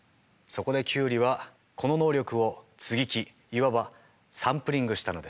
そこでキュウリはこの能力を接ぎ木いわばサンプリングしたのです。